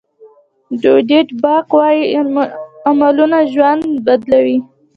ډویډ باک وایي عملونه ژوند بدلوي.